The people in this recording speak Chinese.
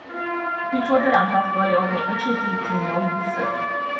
据说这两条河流每个世纪仅流一次。